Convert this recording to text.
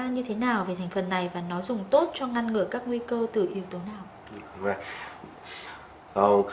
như thế nào về thành phần này và nó dùng tốt cho ngăn ngừa các nguy cơ từ yếu tố nào